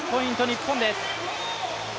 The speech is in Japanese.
日本です。